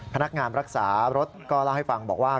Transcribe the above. พนักงานรักษารถก็เล่าให้ฟังบอกว่า